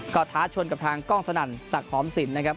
ก็ท้าชนกับทางกล้องสนั่นศักดิ์หอมสินนะครับ